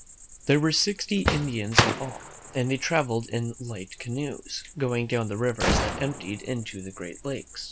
There were sixty Indians in all, and they trav eled in light canoes, going down the rivers that emptied into the Great Lake.